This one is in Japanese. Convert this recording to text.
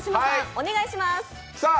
お願いします。